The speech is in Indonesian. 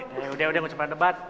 ya udah udah gue cepet cepet